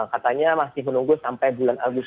katanya masih menunggu sampai bulan agustus